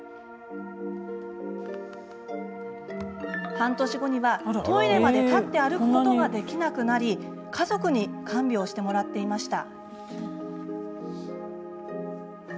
半年後にはトイレまで立って歩くことができなくなり家族に看病してもらっていました。